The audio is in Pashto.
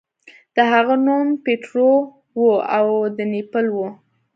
د هغه نوم پیټرو و او د نیپل و.